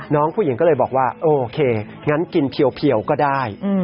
น้องผู้หญิงก็เลยบอกว่าโอเคงั้นกินเพียวก็ได้